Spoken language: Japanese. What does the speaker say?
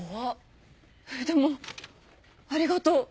でもありがとう。